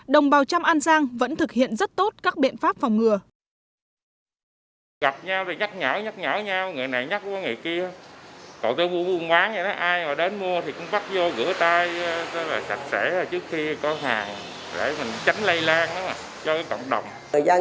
đồng bào trăm an giang vẫn thực hiện rất tốt các biện pháp phòng ngừa